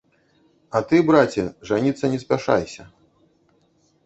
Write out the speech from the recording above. А ты, браце, жаніцца не спяшайся.